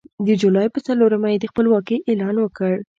د جولای په څلورمه یې د خپلواکۍ اعلان وکړ.